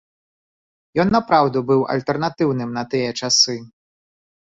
Ён напраўду быў альтэрнатыўным на тыя часы.